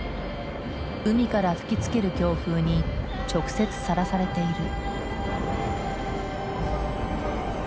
海から吹きつける強風に直接さらされている。